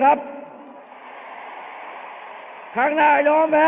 เอาข้างหลังลงซ้าย